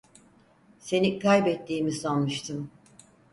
Seni kaybettiğimi sanmıştım.